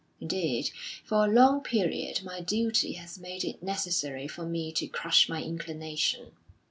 Indeed, for a long period my duty has made it necessary for me to crush my inclination.